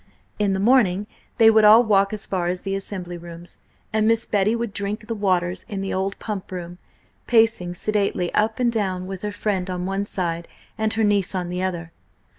In the morning they would all walk as far as the Assembly Rooms, and Miss Betty would drink the waters in the old Pump Room, pacing sedately up and down with her friend on one side and her niece on the other.